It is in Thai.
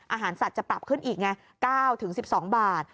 อาหารสัตว์จะปรับขึ้นอีกไง๙๑๒บาท